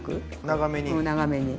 長めに。